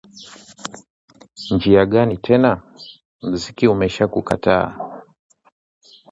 "Njia gani tena? Mziki umeshatukataa"